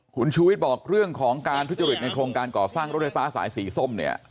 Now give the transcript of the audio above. คุณชูวิทย์บอกเรื่องของการทุจริตในโครงการก่อสร้างรถไฟฟ้าสายสีส้มเนี่ย